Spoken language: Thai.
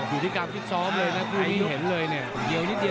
ดูดิการถึกซ้อมเลยนะครับผู้มีเห็นเลยเนี่ย